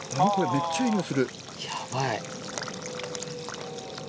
めっちゃいいにおいする！